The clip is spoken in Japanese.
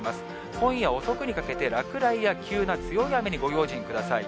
今夜遅くにかけて、落雷や急な強い雨にご用心ください。